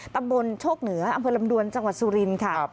ตำบลโชคเหนืออำเภอลำดวนจังหวัดสุรินทร์ค่ะ